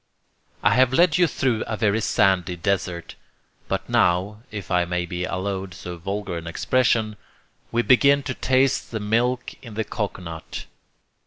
I have led you through a very sandy desert. But now, if I may be allowed so vulgar an expression, we begin to taste the milk in the cocoanut.